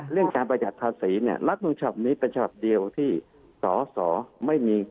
เรื่องการประหยัดภาษีเนี่ยลักษณุนฐานนี้เป็นฉบับเดียวที่